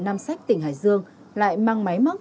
nam sách tỉnh hải dương lại mang máy mắc